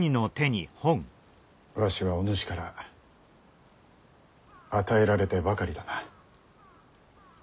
わしはお主から与えられてばかりだな。